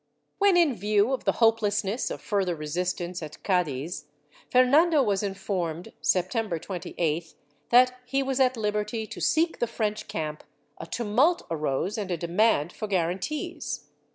^ When, in view of the hopelessness of further resistance at Cadiz, Fernando was informed, September 2Sth, that he was at liberty to seek the French camp, a tumult arose and a demand for guaran tees.